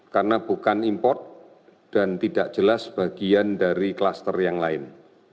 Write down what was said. karena bukan import dan tidak jelas bagian dari kluster yang lain